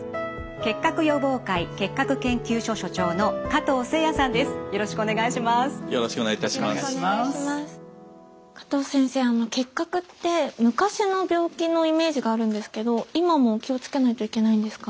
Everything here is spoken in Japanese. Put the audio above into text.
結核って昔の病気のイメージがあるんですけど今も気をつけないといけないんですか？